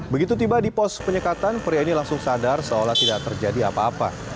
begitu tiba di pos penyekatan pria ini langsung sadar seolah tidak terjadi apa apa